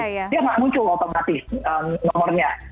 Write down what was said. dia nggak muncul otomatis nomornya